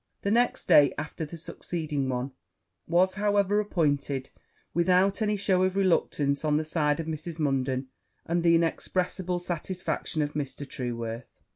The next day after the succeeding one was, however, appointed without any shew of reluctance on the side of Mrs. Munden, and the inexpressible satisfaction of Mr. Trueworth.